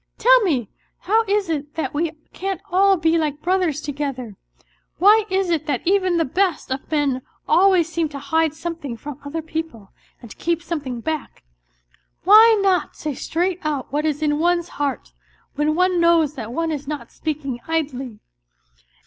Tell me, how is it that we can't all be like brothers together ? Why is it that even the best of men always seem to hide something from other people and to keep something back ? Why not say straight out what is in one's heart, when one knows that one is not speaking idly